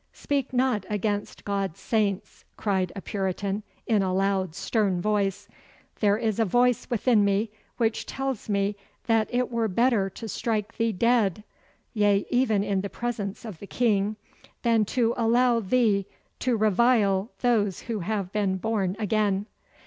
'Speak not against God's saints,' cried a Puritan, in a loud stern voice. 'There is a voice within me which tells me that it were better to strike thee dead yea, even in the presence of the King than to allow thee to revile those who have been born again.